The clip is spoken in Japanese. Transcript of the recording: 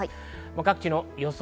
各地の予想